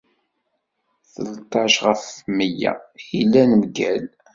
Tleṭṭac ɣef mya i yellan mgal.